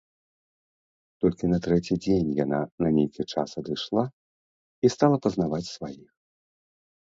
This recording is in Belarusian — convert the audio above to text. Толькі на трэці дзень яна на нейкі час адышла і стала пазнаваць сваіх.